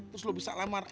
terus lo bisa lamar